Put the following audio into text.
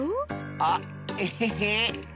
あっエヘヘ。